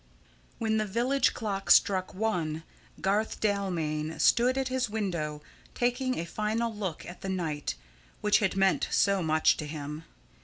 When the village clock struck one, Garth Dalmain stood at his window taking a final look at the night which had meant so much to him.